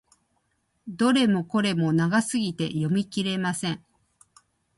どれもこれも長すぎて読み切れません。